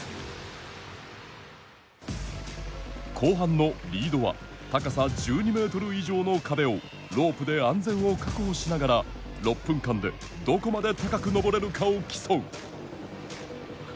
後半のリードは高さ１２メートル以上の壁をロープで安全を確保しながら６分間でどこまで高く登れるかを競う。